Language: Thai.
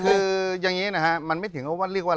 คืออย่างนี้นะฮะมันไม่ถึงว่าเรียกว่า